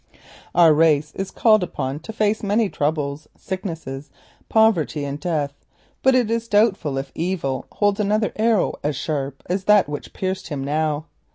Our race is called upon to face many troubles; sickness, poverty, and death, but it is doubtful if Evil holds another arrow so sharp as that which pierced him now.